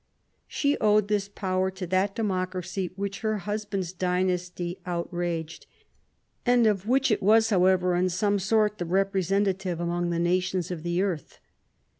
She owed this power to that democracy which her husband's dynasty outraged, and of which it was 119 however in some sort the representative among the nations of the earth.